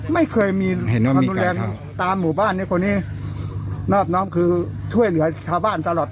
ไม่เคยมีความรุนแรงตามหมู่บ้านในคนนี้นอบน้อมคือช่วยเหลือชาวบ้านตลอด